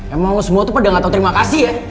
emang semua tuh pada gak tau terima kasih ya